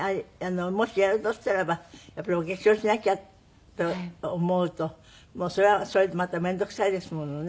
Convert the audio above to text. もしやるとしたらばやっぱりお化粧しなきゃって思うとそれはそれでまた面倒くさいですものね。